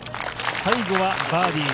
最後はバーディー。